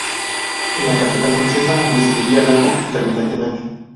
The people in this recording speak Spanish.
En la capital francesa residiría luego intermitentemente.